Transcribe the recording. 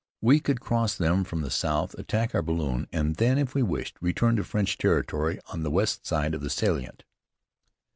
We could cross them from the south, attack our balloon, and then, if we wished, return to French territory on the west side of the salient.